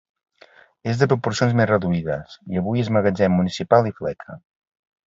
És de proporcions més reduïdes i avui és magatzem municipal i fleca.